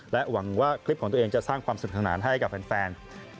หวังว่าคลิปของตัวเองจะสร้างความสนุกสนานให้กับแฟน